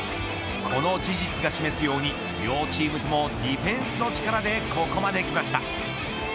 この事実が示すように両チームともディフェンスの力でここまで来ました。